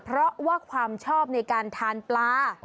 เพราะว่าความชอบในการทานปลา